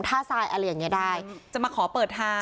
ทรายอะไรอย่างนี้ได้จะมาขอเปิดทาง